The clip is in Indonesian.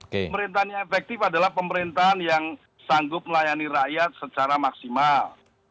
pemerintahan yang efektif adalah pemerintahan yang sanggup melayani rakyat secara maksimal